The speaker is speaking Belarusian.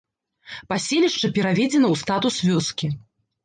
Паселішча пераведзена ў статус вёскі.